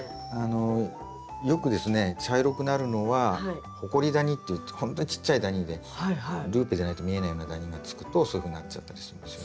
よくですね茶色くなるのはホコリダニっていってほんとにちっちゃいダニでルーペじゃないと見えないようなダニがつくとそういうふうになっちゃったりしますよね。